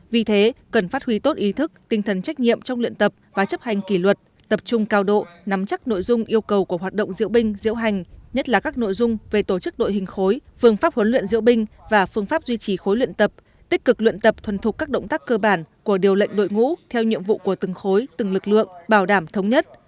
vì thế cần phát huy tốt ý thức tinh thần trách nhiệm trong luyện tập và chấp hành kỷ luật tập trung cao độ nắm chắc nội dung yêu cầu của hoạt động diễu binh diễu hành nhất là các nội dung về tổ chức đội hình khối phương pháp huấn luyện diễu binh và phương pháp duy trì khối luyện tập tích cực luyện tập thuần thục các động tác cơ bản của điều lệnh đội ngũ theo nhiệm vụ của từng khối từng lực lượng bảo đảm thống nhất